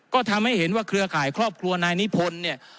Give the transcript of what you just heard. ก็ทำให้เห็นว่าเครือข่ายครอบครัวนายนิพนธ์เนี่ย